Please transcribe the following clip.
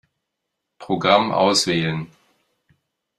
Programm auswählen.